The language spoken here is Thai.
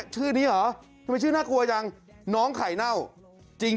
ชื่อนี้เหรอทำไมชื่อน่ากลัวจัง